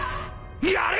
やれ！